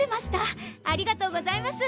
ありがとうございます。